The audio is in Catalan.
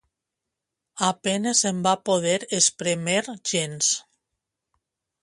A penes en va poder esprémer gens.